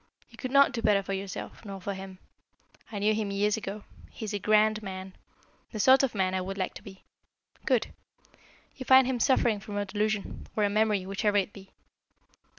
You could not do better for yourself, nor for him. I knew him years ago. He is a grand man the sort of man I would like to be. Good. You find him suffering from a delusion, or a memory, whichever it be.